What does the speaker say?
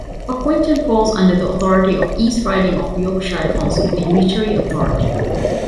Pocklington falls under the authority of East Riding of Yorkshire Council, a unitary authority.